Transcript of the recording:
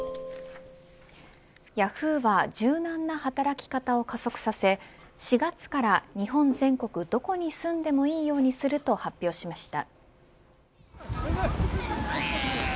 ヤフーは柔軟な働き方を加速させ４月から日本全国どこに住んでもいいようにすると発表しました。